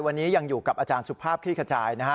วันนี้ยังอยู่กับอาจารย์สุภาพคลี่ขจายนะฮะ